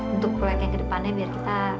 untuk proyek yang ke depannya biar kita